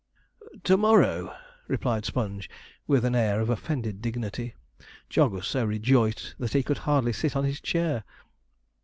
'To morrow,' replied Sponge, with an air of offended dignity. Jog was so rejoiced that he could hardly sit on his chair.